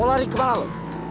om lari kemana lo